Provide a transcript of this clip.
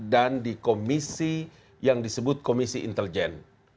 dan di komisi yang disebut komisi inteljen